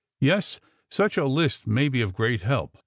^' *^Yes; such a list may be of great help.